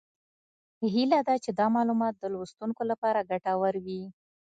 هیله ده چې دا معلومات د لوستونکو لپاره ګټور وي